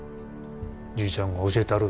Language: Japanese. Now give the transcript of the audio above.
じいちゃんが教えたる。